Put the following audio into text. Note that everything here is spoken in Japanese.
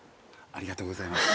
ありがとうございます。